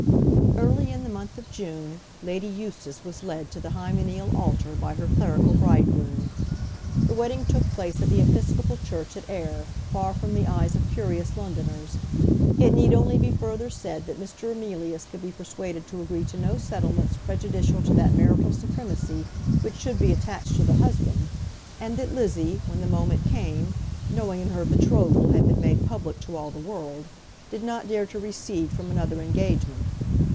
Early in the month of June, Lady Eustace was led to the hymeneal altar by her clerical bridegroom. The wedding took place at the Episcopal church at Ayr, far from the eyes of curious Londoners. It need only be further said that Mr. Emilius could be persuaded to agree to no settlements prejudicial to that marital supremacy which should be attached to the husband; and that Lizzie, when the moment came, knowing that her betrothal had been made public to all the world, did not dare to recede from another engagement.